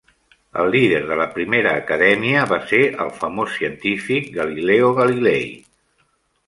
El líder de la primera acadèmia va ser el famós científic Galileo Galilei.